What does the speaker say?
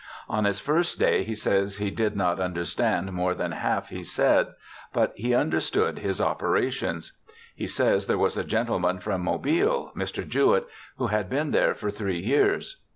On his first day he says he did not understand more than half he said, but he understood his operations. He says there was a gentleman from Mobile, Mr. Jewett, who had been there for three years.